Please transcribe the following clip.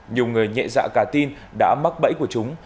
nhiều người nhẹ dạ cả tin đã mắc bẫy của chúng